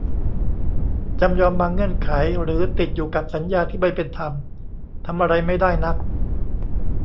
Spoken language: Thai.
จำยอมบางเงื่อนไข หรือติดอยู่กับสัญญาที่ไม่เป็นธรรม ทำอะไรไม่ได้นัก